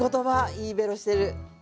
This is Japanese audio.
いいベロしてる。